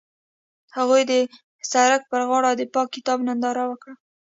هغوی د سړک پر غاړه د پاک کتاب ننداره وکړه.